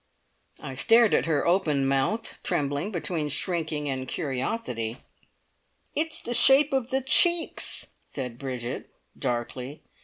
I stared at her open mouthed, trembling between shrinking and curiosity. "It's the shape of the cheeks!" said Bridget darkly.